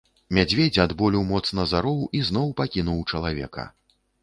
Мядзведзь ад болю моцна зароў і зноў пакінуў чалавека.